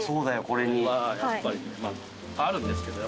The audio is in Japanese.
これはいっぱいあるんですけど